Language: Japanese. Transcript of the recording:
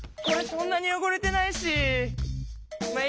そんなによごれてないし。